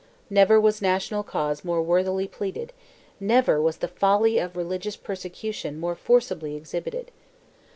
Never was national cause more worthily pleaded; never was the folly of religious persecution more forcibly exhibited.